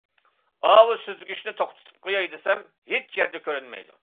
ئاۋۇ سۈزگۈچنى توختىتىپ قوياي دېسەم، ھېچ يەردە كۆرۈنمەيدۇ.